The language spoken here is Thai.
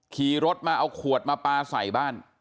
ขี่รถมาเอาขวดมาปลาใส่บ้าน